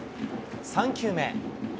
３球目。